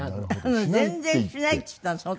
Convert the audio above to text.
「全然しない」っつったの。